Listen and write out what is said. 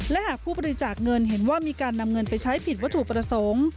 และหากผู้บริจาคเงินเห็นว่ามีการนำเงินไปใช้ผิดวัตถุประสงค์